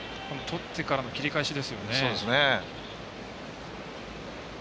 とってから、切り返しですね。